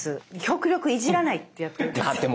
極力いじらないってやってるんですよ。